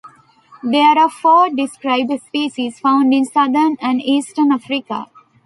There are four described species, found in southern and eastern Africa.